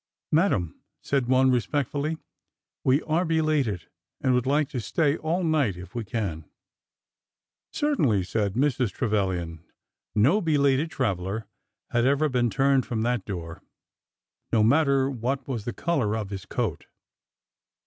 '' Madam," said one respectfully, we are belated, and would like to stay all night if we can." Certainly," said Mrs. Trevilian. No belated traveler had ever been turned from that door, no matter what was the color of his coat.